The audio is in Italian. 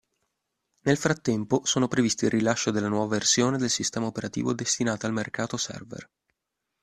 Nel frattempo, sono previsti il rilascio della nuova versione del sistema operativo destinata al mercato server.